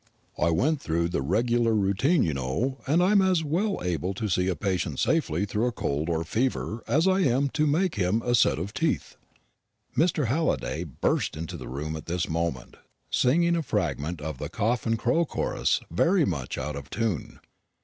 "I went through the regular routine, you know, and am as well able to see a patient safely through a cold or fever as I am to make him a set of teeth." Mr. Halliday burst into the room at this moment, singing a fragment of the "Chough and Crow" chorus, very much out of tune.